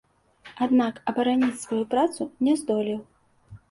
Аднак абараніць сваю працу не здолеў.